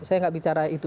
saya tidak bicara itu